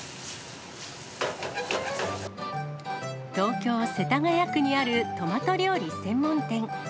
東京・世田谷区にあるトマト料理専門店。